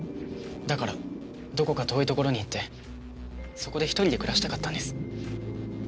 だからどこか遠いところに行ってそこで１人で暮らしたかったんです。